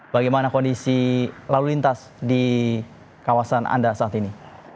bagaimana kondisi lalu lintas di kawasan anda saat ini